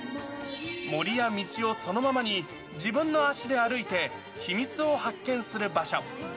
森や道をそのままに、自分の足で歩いて、秘密を発見する場所。